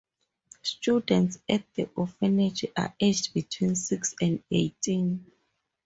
Students at the orphanage are aged between six and eighteen.